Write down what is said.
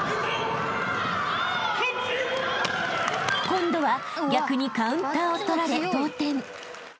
［今度は逆にカウンターを取られ同点］